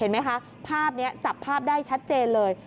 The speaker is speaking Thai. ไหมคะภาพนี้จับภาพได้ชัดเจนเลย